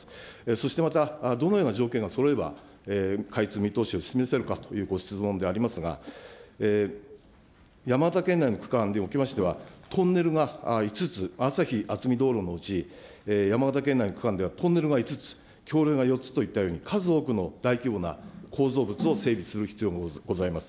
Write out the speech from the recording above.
そしてまた、どのような条件がそろえば開通見通しを示せるかというご質問でありますが、山形県内の区間におきましては、トンネルが５つ、あさひあつみ道路のうち、山形県内の区間ではトンネルが５つ、橋りょうが４つといったような数多くの大規模な構造物を整備する必要がございます。